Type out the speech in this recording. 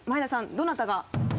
どなたが？